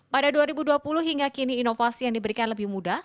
pada dua ribu dua puluh hingga kini inovasi yang diberikan lebih mudah